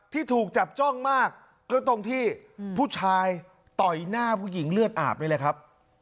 ที่ถูกจับจ้องมากก็ตรงที่ผู้ชายต่อยหน้าผู้หญิงเลือดอาบนี่แหละครับ